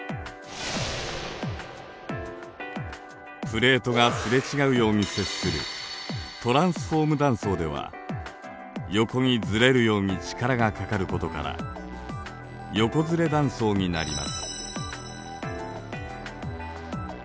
プレートがすれ違うように接するトランスフォーム断層では横にずれるように力がかかることから「横ずれ断層」になります。